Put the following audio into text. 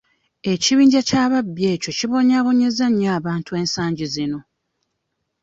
Ekibinja ky'ababbi ekyo kibonyaabonyezza nnyo abantu ensangi zino.